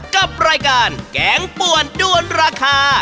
กับรายการแกงป่วนด้วนราคา